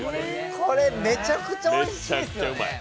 これ、めちゃくちゃおいしいですよね。